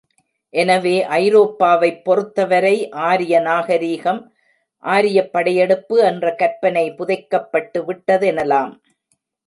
எனவே ஐரோப்பாவைப் பொறுத்தவரை ஆரிய நாகரிகம், ஆரியப்படையெடுப்பு என்ற கற்பனை புதைக்கப்பட்டு விட்டதெனலாம்.